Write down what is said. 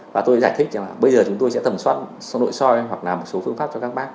và tôi giải thích rằng là bây giờ chúng tôi sẽ tầm soát nội soi hoặc là một số phương pháp cho các bác